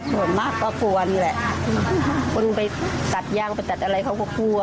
สนมากก็กลัวนึงแหละคนไปตัดย่างไปตัดอะไรเค้าก็กลัว